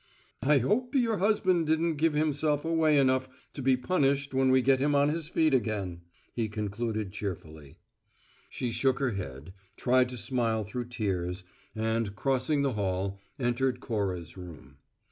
"I hope your husband didn't give himself away enough to be punished when we get him on his feet again," he concluded cheerfully. She shook her head, tried to smile through tears, and, crossing the hall, entered Cora's room.